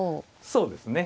そうですね。